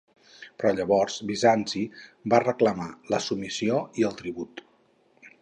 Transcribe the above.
Però llavors Bizanci va reclamar la submissió i el tribut.